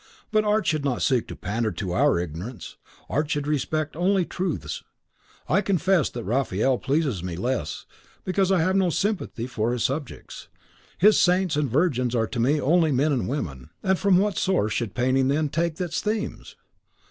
But art should not seek to pander to our ignorance; art should represent only truths. I confess that Raphael pleases me less, because I have no sympathy with his subjects. His saints and virgins are to me only men and women." "And from what source should painting, then, take its themes?"